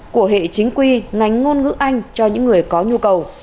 của hệ chính quy ngành ngôn ngữ anh cho những người có nhu cầu